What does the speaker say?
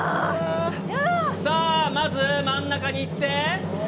さあ、まず真ん中に行って。